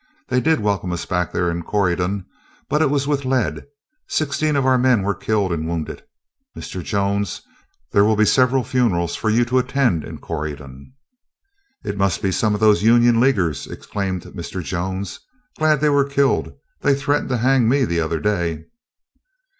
They did welcome us back there in Corydon, but it was with lead. Sixteen of our men were killed and wounded. Mr. Jones, there will be several funerals for you to attend in Corydon." "It must be some of those Union Leaguers," exclaimed Mr. Jones. "Glad they were killed; they threatened to hang me the other day."